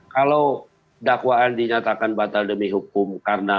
kalau dakwaan dinyatakan batal demi hukum